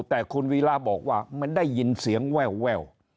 แต่คุณวีระบอกว่ามันได้ยินเสียงแวว